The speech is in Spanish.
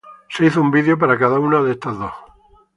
Se hizo un video para cada una de estas dos.